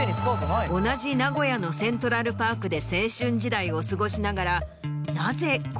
同じ名古屋のセントラルパークで青春時代を過ごしながら。